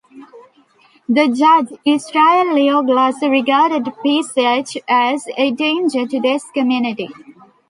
The judge Israel Leo Glasser regarded Pesach as "a danger to this community".